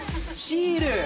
⁉シール！